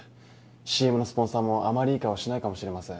ＣＭのスポンサーもあまりいい顔はしないかもしれません。